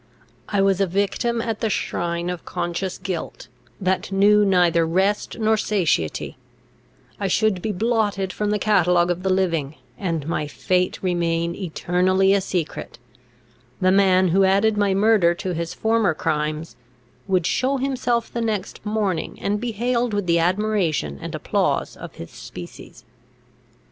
I was a victim at the shrine of conscious guilt, that knew neither rest nor satiety; I should be blotted from the catalogue of the living, and my fate remain eternally a secret; the man who added my murder to his former crimes, would show himself the next morning, and be hailed with the admiration and applause of his species.